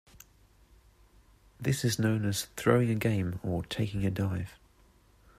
This is known as throwing a game or taking a dive.